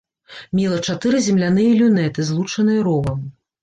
Мела чатыры земляныя люнеты, злучаныя ровам.